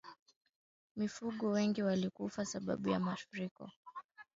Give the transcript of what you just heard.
Kutokana na umahiri wake bi kidude alipata nafasi ya kutembelea nchi mbalimbali